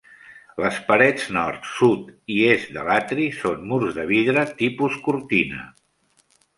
Les parets nord, sud i est de l'atri són murs de vidre tipus cortina.